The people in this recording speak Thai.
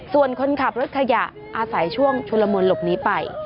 ส่วนคนขับรถขยะอาศัยช่วงชุลมุนหลบหนีไป